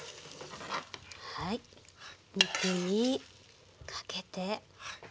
はい肉にかけて。